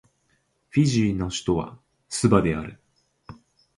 フィジーの首都はスバである